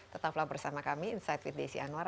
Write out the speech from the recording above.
tetaplah bersama kami insight with desi anwar